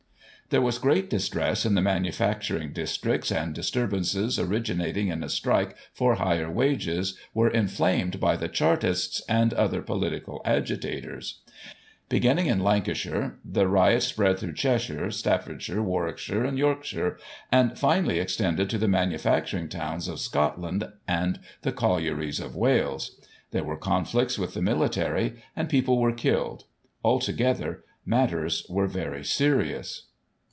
There was great distress in the manufacturing districts, and disturbances originating in a strike for higher wages, were inflamed by the Chartists, and other political agitators. Be ginning in Lancashire, the riots spread through Cheshire, Staffordshire, Warwickshire and Yorkshire, and, finally, ex tended to the manufacturing towns of Scotland, and the collieries of Wales. There were conflicts with the military, and people were killed ; altogether, matters were very serious.